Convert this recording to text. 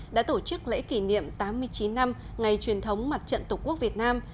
đã tổ chức lễ kỷ niệm tám mươi chín năm ngày truyền thống mặt trận tổ quốc việt nam